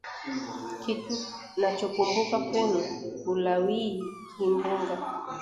Kitu nachokumbuka kwenu kulawii kimbunga